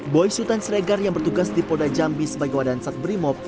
boy sultan sregar yang bertugas di polda jambi sebagai wadahan sat brimob